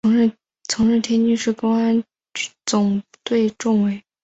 曾任天津公安总队政委。